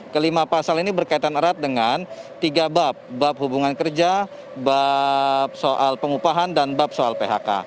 kelima pasal ini berkaitan erat dengan tiga bab bab hubungan kerja bab soal pengupahan dan bab soal phk